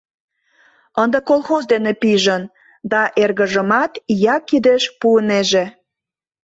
Ынде колхоз дене пижын да эргыжымат ия кидыш пуынеже!..